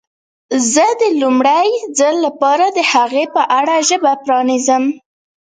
زه د لومړي ځل لپاره د هغه په اړه ژبه پرانیزم.